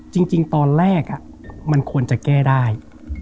จริงตอนแรกมันควรจะแก้ได้